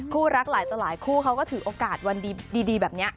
คู่รักหลายคู่เขาก็ถือโอกาสวันดีแบบนี้